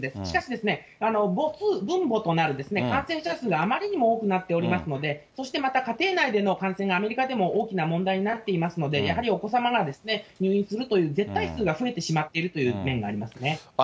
しかしですね、母数、分母となる感染者数があまりにも多くなっておりますので、そしてまた家庭内での感染がアメリカでも大きな問題になっていますので、やはりお子様が入院するという、絶対数が増えてしまっているという面がありますね。